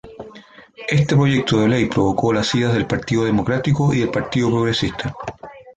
Este proyecto de ley provocó la iras del Partido Democrático y del Partido Progresista.